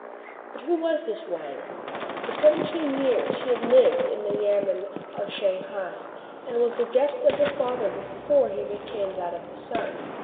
But who was this Wang } For seventeen years he had lived in the yamen at Shang hai, and was the guest of the father before he became that of the son.